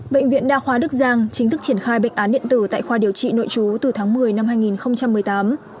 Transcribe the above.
bệnh viện đa khoa đức giang chính thức triển khai bệnh án điện tử tại khoa điều trị nội chú từ tháng một mươi năm hai nghìn một mươi tám